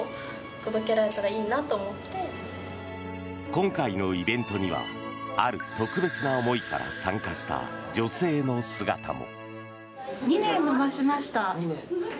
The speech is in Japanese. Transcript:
今回のイベントにはある特別な思いから参加した女性の姿も。